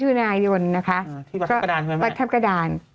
ที่วัดทัพกระดานใช่ไหมวัดทัพกระดาน